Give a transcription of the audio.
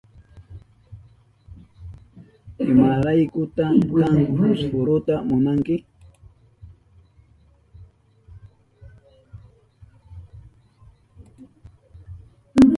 ¿Imaraykuta kanka fusfuruta munanki?